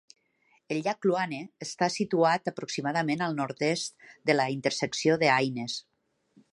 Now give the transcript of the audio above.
El llac Kluane està situat aproximadament al nord-oest de la intersecció de Haines.